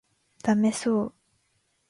ダメそう